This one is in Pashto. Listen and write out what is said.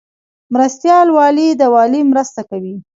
مرستیال والی د والی مرسته کوي